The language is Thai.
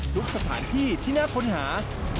ทุกสถานที่ที่น่าค้นหา